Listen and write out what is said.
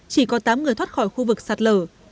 chỉ có tám người thoát khỏi khu vực sạt lở